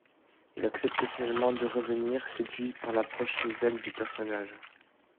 Il accepte finalement de revenir, séduit par l'approche nouvelle du personnage.